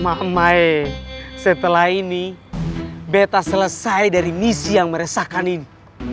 mahe setelah ini beta selesai dari misi yang meresahkan ini